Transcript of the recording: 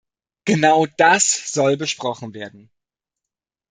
Genau das soll besprochen werden.